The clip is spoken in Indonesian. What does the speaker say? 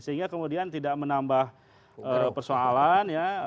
sehingga kemudian tidak menambah persoalan ya